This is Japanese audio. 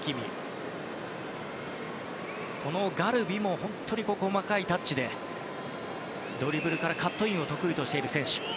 このガルビも本当に細かいタッチでドリブルからのカットインを得意としている選手。